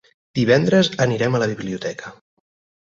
Divendres anirem a la biblioteca.